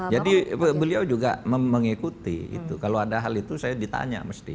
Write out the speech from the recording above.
jadi beliau juga mengikuti itu kalau ada hal itu saya ditanya mesti saya tanya itu sudah selesai